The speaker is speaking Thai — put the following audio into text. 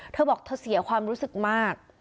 เธอบอกเธอเสียความรู้สึกมาก